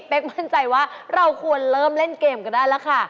มั่นใจว่าเราควรเริ่มเล่นเกมกันได้แล้วค่ะ